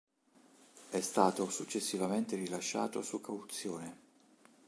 È stato successivamente rilasciato su cauzione.